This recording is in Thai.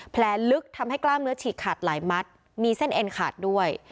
แผลลึกทำให้กล้ามเนื้อฉีกขาดหลายมัดมีเส้นเอ็นขาดด้วย